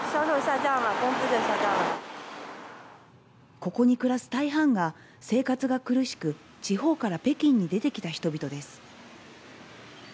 ここに暮らす大半が生活が苦しく、地方から北京に出てきた人々です。